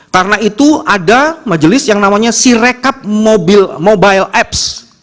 karena itu ada majelis yang namanya sirecap mobile apps